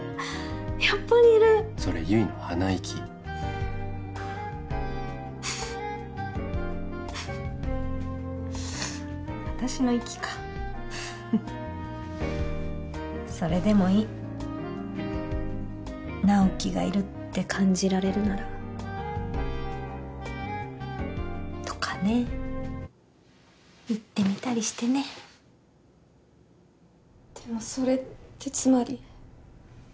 やっぱりいるそれ悠依の鼻息フフッフフッ私の息かフフッそれでもいい直木がいるって感じられるならとかね言ってみたりしてねでもそれってつまり